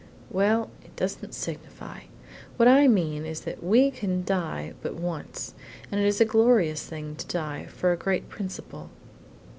"Well, it doesn't signify. What I mean is that we can die but once, and it is a glorious thing to die for a great principle.